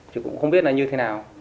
chị cũng không biết là như thế nào